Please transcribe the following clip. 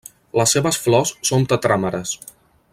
Les seves flors són tetràmeres.